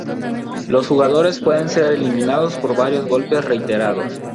Los jugadores pueden ser eliminados por varios golpes reiterados.